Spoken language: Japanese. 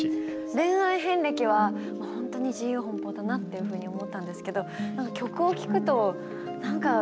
恋愛遍歴はもう本当に自由奔放だなっていうふうに思ったんですけどそうなんですよ